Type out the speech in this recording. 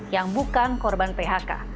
yang bukan korban phk